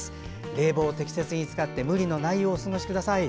冷房を適切に使って無理のないようお過ごしください。